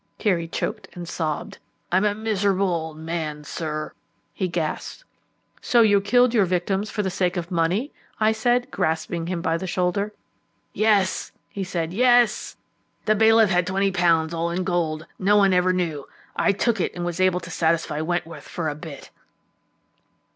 Here he choked and sobbed. "I am a miserable old man, sir," he gasped. "So you killed your victims for the sake of money?" I said, grasping him by the shoulder. "Yes," he said, "yes. The bailiff had twenty pounds all in gold; no one ever knew. I took it and was able to satisfy Wentworth for a bit."